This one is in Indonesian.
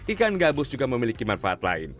ikan gabus juga memiliki manfaat lain